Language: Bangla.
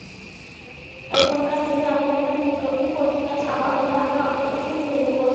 এখনকার দিনে এমন একটা বিজ্ঞপ্তি পত্রিকায় ছাপা হলে আমরা অনেক কিছুই ভেবে বসতাম।